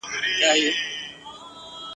په هوا مو کشپان نه وه لیدلي ..